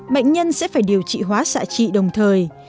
bệnh nhân sẽ phải điều trị hóa xạ trị đồng thời